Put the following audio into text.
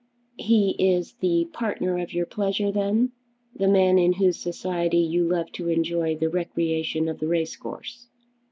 "He is the partner of your pleasure then; the man in whose society you love to enjoy the recreation of the race course."